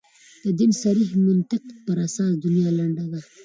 د دین صریح منطق پر اساس دنیا لنډه ده.